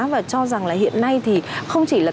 và cho rằng là hiện nay thì không chỉ là